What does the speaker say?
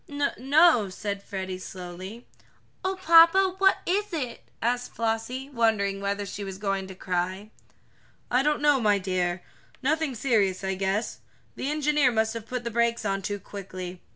"No no," said Freddie slowly. "Oh, papa, what is it?" asked Flossie, wondering whether she was going to cry. "I don't know, my dear. Nothing serious, I guess. The engineer must have put the brakes on too quickly.